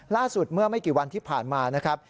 ล่าสุดเมื่อไม่กี่วันที่ผ่านมานะครับ